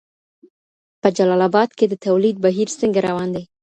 په جلال اباد کي د تولید بهیر څنګه روان دی؟